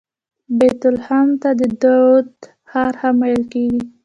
بیت لحم ته د داود ښار هم ویل کیږي.